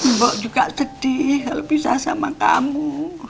mbak juga sedih kalau pisah sama kamu